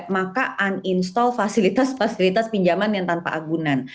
maka uninstall fasilitas fasilitas pinjaman yang tanpa agunan